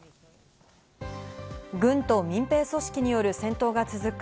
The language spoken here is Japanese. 軍と民兵組織による戦闘が続く